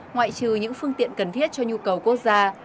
ngoại trừ những phương tiện cần thiết cho nhu cầu quốc gia